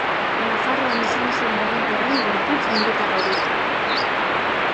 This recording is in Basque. Nafarroan izan zen eraginkorren gorputz militar hori.